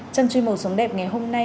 trong truy mô sống đẹp ngày hôm nay